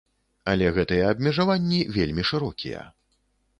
Але гэтыя абмежаванні вельмі шырокія.